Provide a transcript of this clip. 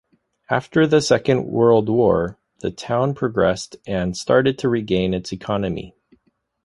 After the second World War, the town progressed and started to regain its economy.